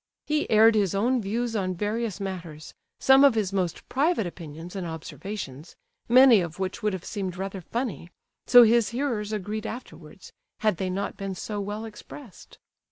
He aired his own views on various matters, some of his most private opinions and observations, many of which would have seemed rather funny, so his hearers agreed afterwards, had they not been so well expressed.